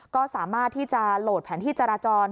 ก็สามารถที่จะโหลดแผนที่จราจร